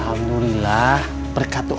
jadi dia sedang bergaduh